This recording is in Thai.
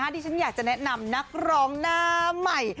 ที่ฉันอยากจะแนะนำนักร้องหน้าใหม่